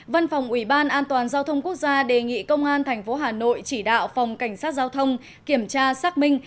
văn phòng ủy ban an toàn giao thông quốc gia đề nghị công an tp hà nội chỉ đạo phòng cảnh sát giao thông kiểm tra xác minh